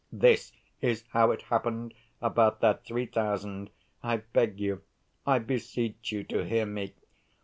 This is how it happened about that three thousand. I beg you, I beseech you, to hear me.